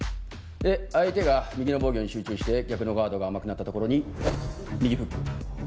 で相手が右の防御に集中して逆のガードが甘くなったところに右フック。